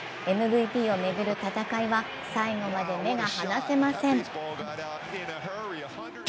ＭＶＰを巡る戦いは最後まで目が離せません。